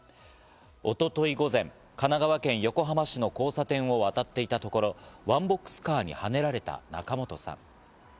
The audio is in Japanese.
一昨日午前、神奈川県横浜市の交差点を渡っていたところワンボックスカーにはねられた仲本さん。